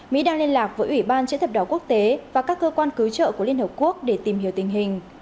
mỹ đang liên lạc với ủy ban chữ thập đỏ quốc tế và các cơ quan cứu trợ của liên hợp quốc để tìm hiểu tình hình